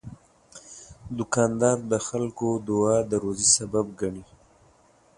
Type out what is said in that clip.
دوکاندار د خلکو دعا د روزي سبب ګڼي.